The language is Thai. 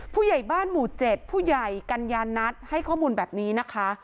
ผู้ใหญ่บ้านหมู่๗ผู้ใหญ่กัญญานัทให้ข้อมูลแบบนี้นะคะ